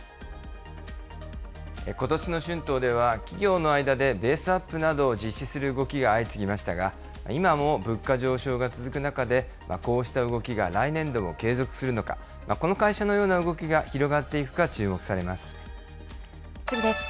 ことしの春闘では、企業の間でベースアップなどを実施する動きが相次ぎましたが、今も物価上昇が続く中で、こうした動きが来年度も継続するのか、この会社のような動きが広次です。